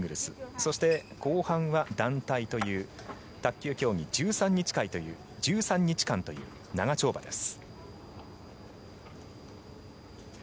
そして後半は団体という卓球競技１３日間という長丁場です。